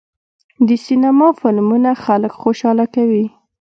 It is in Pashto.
د سینما فلمونه خلک خوشحاله کوي.